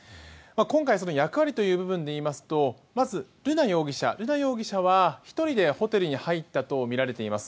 今回役割という部分で言いますとまず、瑠奈容疑者は１人でホテルに入ったとみられています。